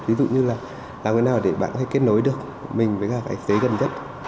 ví dụ như là làm thế nào để bạn có thể kết nối được mình với nhà tài xế gần nhất